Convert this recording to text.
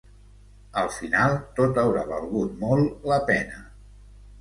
Al final tot haurà valgut molt la pena.